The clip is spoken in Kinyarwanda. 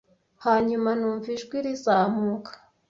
Hanyuma numva ijwi rizamuka